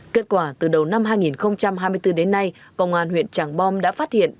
kết quả từ đầu năm hai nghìn hai mươi bốn đến nay công an huyện tràng bom đã phát hiện